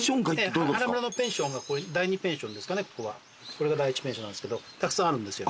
これが第１ペンションなんですけどたくさんあるんですよ。